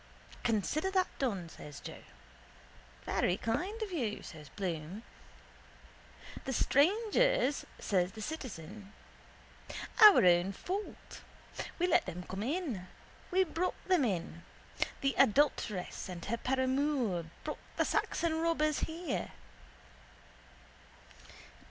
—Consider that done, says Joe. —Very kind of you, says Bloom. —The strangers, says the citizen. Our own fault. We let them come in. We brought them in. The adulteress and her paramour brought the Saxon robbers here.